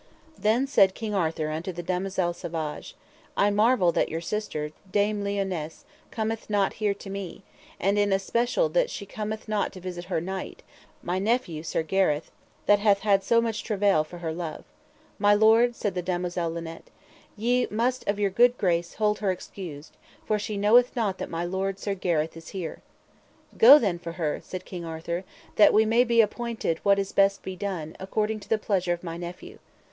Then said King Arthur unto the damosel Savage: I marvel that your sister, Dame Lionesse, cometh not here to me, and in especial that she cometh not to visit her knight, my nephew Sir Gareth, that hath had so much travail for her love. My lord, said the damosel Linet, ye must of your good grace hold her excused, for she knoweth not that my lord, Sir Gareth, is here. Go then for her, said King Arthur, that we may be appointed what is best to be done, according to the pleasure of my nephew.